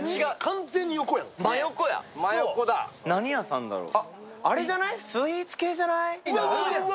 何屋さんだろう？